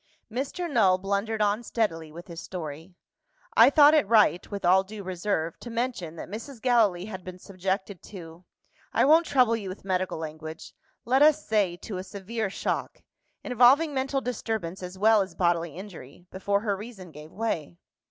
Mr. Null blundered on steadily with his story. "I thought it right (with all due reserve) to mention that Mrs. Gallilee had been subjected to I won't trouble you with medical language let us say, to a severe shock; involving mental disturbance as well as bodily injury, before her reason gave way."